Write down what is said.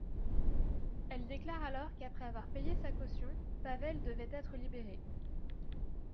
Elle déclare alors qu'après avoir payé sa caution, Pavel devait être libéré.